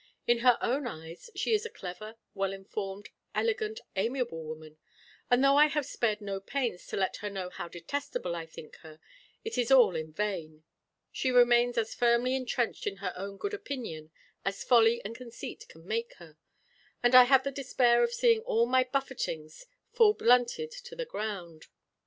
In her own eyes she is a clever, well informed, elegant, amiable woman; and though I have spared no pains to let her know how detestable I think her, it is all in vain; she remains as firmly entrenched in her own good opinion as folly and conceit can make her; and I have the despair of seeing all my buffetings fall blunted to the ground.